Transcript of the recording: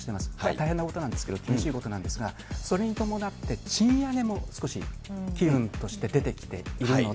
大変なことなんですけど、厳しいことなんですが、それに伴って賃上げも少し機運として出てきているので。